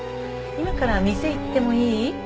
今から店行ってもいい？